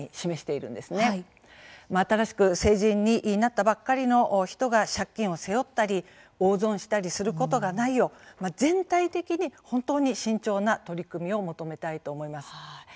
併せて新しく成人になったばかりの人が借金を背負ったり大損をすることがないよう全体的に本当に慎重な取り組みを求めたいと思います。